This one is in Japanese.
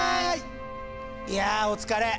いやお疲れ。